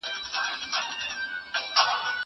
زه اجازه لرم چي کتابتون ته کتاب وړم!!